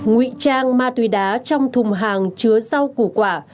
ngụy trang ma túy đá trong thùng hàng chứa rau củ quả